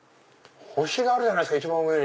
星があるじゃないですか一番上。